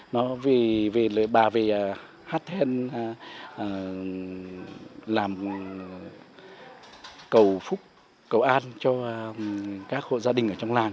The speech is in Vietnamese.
bà về hát then làm cầu phúc cầu an cho các gia đình ở trong làng